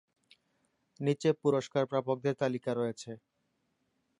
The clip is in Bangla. নীচে পুরস্কার প্রাপকদের তালিকা রয়েছে।